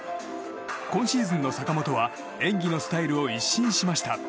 今シーズンの坂本は演技のスタイルを一新しました。